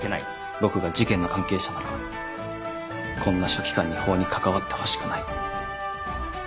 僕が事件の関係者ならこんな書記官に法に関わってほしくない。